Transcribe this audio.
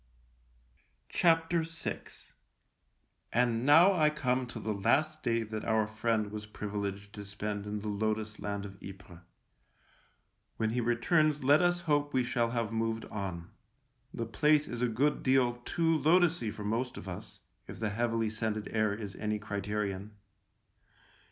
VI And now I come to the last day that our friend was privileged to spend in the lotus land of Ypres. When he returns let us hope we shall have moved on — the place is a good deal too lotussy for most of us, if the heavily scented air is any criterion.